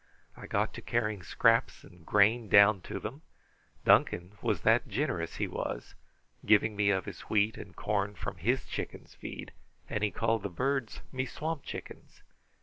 I got to carrying scraps and grain down to them. Duncan was that ginerous he was giving me of his wheat and corn from his chickens' feed, and he called the birds me swamp chickens.